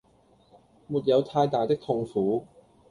沒有太大的痛苦